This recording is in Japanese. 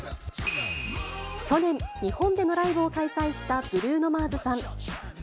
去年、日本でのライブを開催したブルーノ・マーズさん。